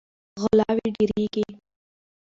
غلاوې ډیریږي.